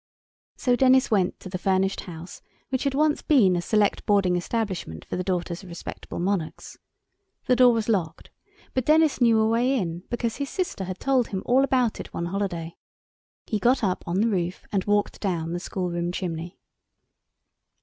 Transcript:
So Denis went to the furnished house which had once been a Select Boarding Establishment for the Daughters of Respectable Monarchs. The door was locked, but Denis knew a way in, because his sister had told him all about it one holiday. He got up on the roof and walked down the schoolroom chimney.